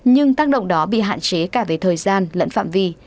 nhưng tác động đó bị hạn chế cả về thời gian lẫn phạm vi